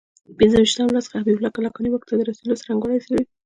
پنځه ویشتم لوست حبیب الله کلکاني واک ته رسېدو څرنګوالی څېړي.